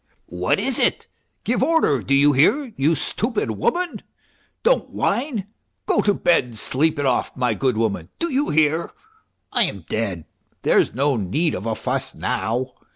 " What is it ? Give over, do you hear, you stupid woman? Don't whine 1 Go to bed and sleep it off, my good woman, do you hear ? I am dead; there's no need of a fuss now.